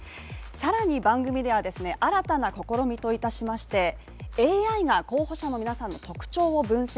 更に番組では新たな試みといたしまして、ＡＩが候補者の皆さんの特徴を分析。